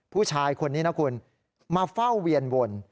ผู้ชายคนนี้นะคุณมาเฝ้าเวียนวน